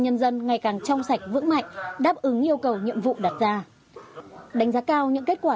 nhân dân ngày càng trong sạch vững mạnh đáp ứng yêu cầu nhiệm vụ đặt ra đánh giá cao những kết quả